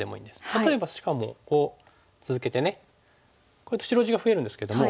例えばしかもこう続けてね白地が増えるんですけども。